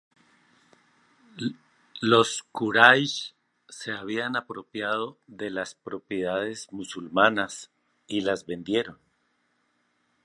Los Quraysh se habían apropiado de las propiedades musulmanas y las vendieron.